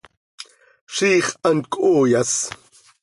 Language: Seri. ¡Ziix hant cooyas!